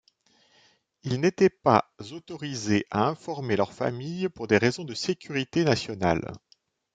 Ils n'étaient pas autorisés à informer leurs familles pour des raisons de sécurité nationale.